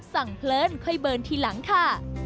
สั่งเพลินค่อยเบินทีหลังค่ะ